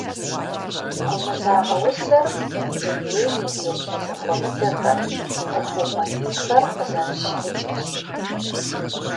«Гумызагъэ» усэр дунейм и теплъэ зэхуэмыдэхэр, Ӏуэхугъуэ инхэр къызэрыщ гъуджэщ.